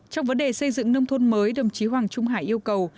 trong vấn đề xây dựng nông thôn mới đồng chí hoàng trung hải yêu cầu